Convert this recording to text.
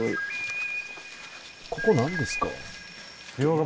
ここなんですか？